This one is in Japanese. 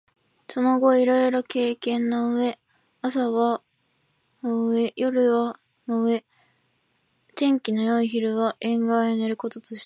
その後いろいろ経験の上、朝は飯櫃の上、夜は炬燵の上、天気のよい昼は縁側へ寝る事とした